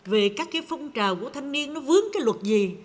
về các cái phong trào của thanh niên nó vướng cái luật gì